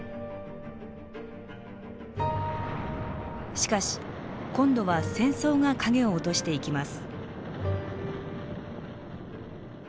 しかし今度は戦争が影を落としていきます。